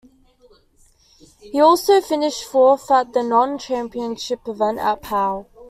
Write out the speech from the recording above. He also finished fourth at a non-championship event at Pau.